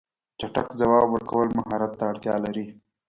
چټک ځواب ورکول مهارت ته اړتیا لري.